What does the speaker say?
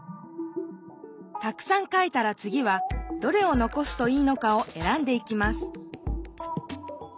たくさん書いたらつぎはどれをのこすといいのかを選んでいきます